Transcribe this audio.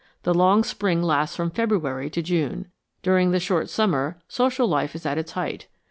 The long spring lasts from February to June. During the short summer, social life is at its height.